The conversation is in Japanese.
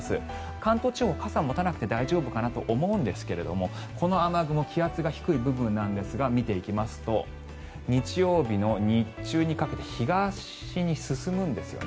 関東地方、傘持たなくて大丈夫かなと思うんですがこの雨雲気圧が低い部分なんですが見ていきますと日曜日の日中にかけて東に進むんですよね。